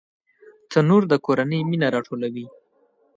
تنور د کورنۍ مینه راټولوي